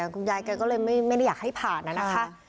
คุณยายแกก็เลยไม่ได้อยากให้ผ่านนะคะ